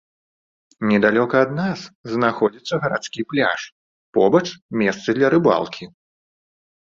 Недалёка ад нас знаходзіцца гарадскі пляж, побач месцы для рыбалкі.